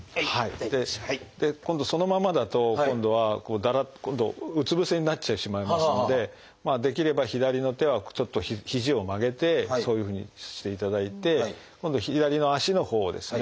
今度そのまんまだと今度はうつぶせになってしまいますのでできれば左の手はちょっと肘を曲げてそういうふうにしていただいて今度左の脚のほうをですね